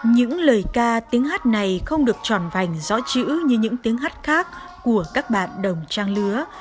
những lời ca tiếng hát này không được tròn vành rõ chữ như những tiếng hát khác của các bạn đồng trang lứa